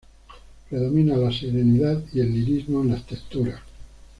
Predomina la serenidad y el lirismo en las texturas.